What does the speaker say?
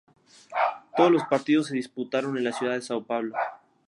Todos los partidos se disputaron en la ciudad de Sao Paulo.